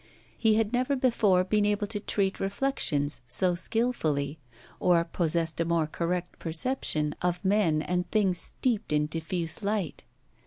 He had never before been able to treat reflections so skilfully, or possessed a more correct perception of men and things steeped in diffuse light.